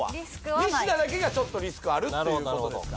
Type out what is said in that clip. ニシダだけがちょっとリスクあるっていうことですから。